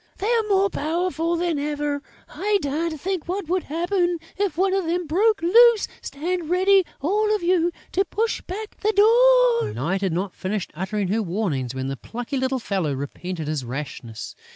They are more powerful than ever! I daren't think what would happen, if one of them broke loose! Stand ready, all of you, to push back the door!" Night had not finished uttering her warnings, when the plucky little fellow repented his rashness.